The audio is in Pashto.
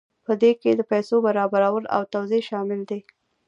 په دې کې د پیسو برابرول او توزیع شامل دي.